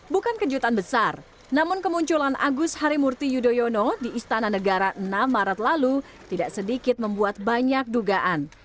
bukan kejutan besar namun kemunculan agus harimurti yudhoyono di istana negara enam maret lalu tidak sedikit membuat banyak dugaan